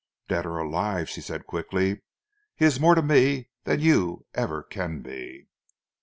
"Dead or alive," she said quickly, "he is more to me than you ever can be!"